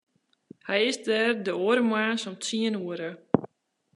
Hy is der de oare moarns om tsien oere.